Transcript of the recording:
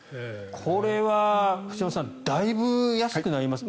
これはだいぶ安くなります。